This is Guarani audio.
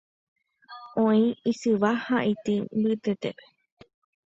Oĩ isyva ha itĩ mbytépe.